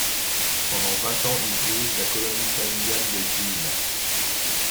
Pendant vingt ans, il dirige la colonie familiale de Geel.